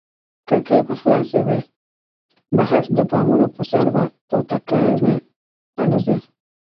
کړکۍ به خلاصې وي، بهر د بامونو پر سر به توتکیانې الوزي.